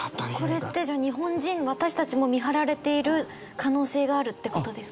これってじゃあ日本人私たちも見張られている可能性があるって事ですか？